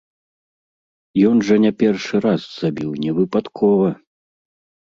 Ён жа не першы раз забіў, не выпадкова!